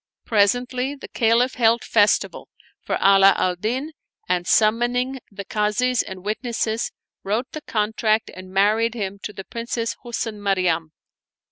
Presently the Caliph held festival for Ala al Din and, summoning the Kazis and witnesses, wrote the contract and married him to the Princess Husn Maryam.